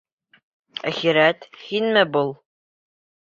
— Әхирәт, һинме был?